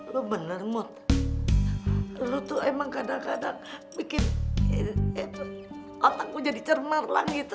lu bener mut lu tuh emang kadang kadang bikin otakku jadi cermar lang gitu